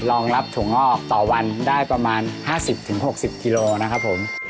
รองรับถั่วงอกต่อวันได้ประมาณ๕๐๖๐กิโลนะครับผม